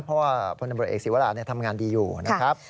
เพราะว่าพลตำรวจเอกศิวราทำงานดีอยู่นะครับ